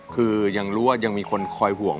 คือยังรู้ว่ายังมีคนคอยห่วง